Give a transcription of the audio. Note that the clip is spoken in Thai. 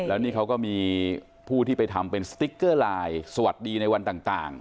แล้วนี่เขาก็มีผู้ที่ไปทำเป็นสติ๊กเกอร์ไลน์สวัสดีในวันต่าง